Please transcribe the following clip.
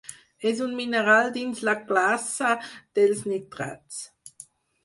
És un mineral dins la classe dels nitrats.